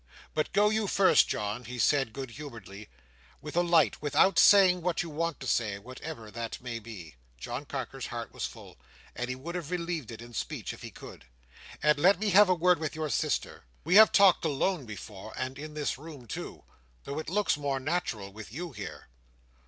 "But go you first, John," he said goodhumouredly, "with a light, without saying what you want to say, whatever that may be;" John Carker's heart was full, and he would have relieved it in speech, if he could; "and let me have a word with your sister. We have talked alone before, and in this room too; though it looks more natural with you here."